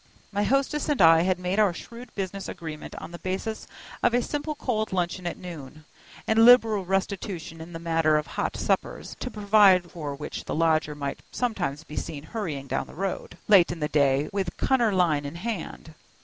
My hostess and I had made our shrewd business agreement on the basis of a simple cold luncheon at noon, and liberal restitution in the matter of hot suppers, to provide for which the lodger might sometimes be seen hurrying down the road, late in the day, with cunner line in hand.